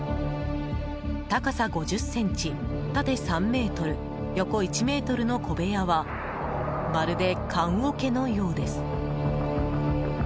高さ５０ｃｍ縦３ｍ、横１ｍの小部屋はまるで棺桶のようです。